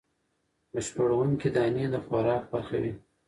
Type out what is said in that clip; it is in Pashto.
بشپړوونکې دانې د خوراک برخه وي.